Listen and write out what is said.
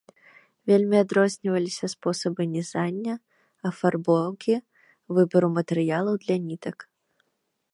Вельмі адрозніваліся спосабы нізання, афарбоўкі, выбару матэрыялаў для нітак.